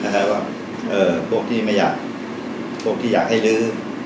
ว่าพวกที่ไม่อยากพวกที่อยากให้ลื้อ